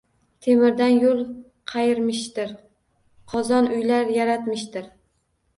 Temirdan yoʻl qayirmishdir, qozon uylar yaratmishdir